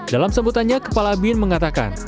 dalam sebutannya kepala bin mengatakan